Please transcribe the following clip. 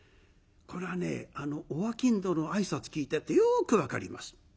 これはねお商人の挨拶聞いてるとよく分かります。